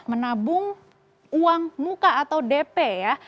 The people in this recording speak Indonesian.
menabung uang muka atau dp ya